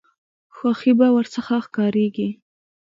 خوښي به ورڅخه ښکاریږي.